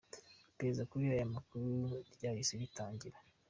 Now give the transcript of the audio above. Iperereza kuri aya makuru ryahise ritangira.